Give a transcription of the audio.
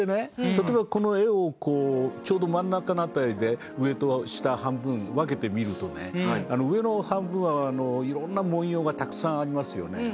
例えばこの絵をこうちょうど真ん中の辺りで上と下半分分けて見るとねあの上の半分はいろんな文様がたくさんありますよね。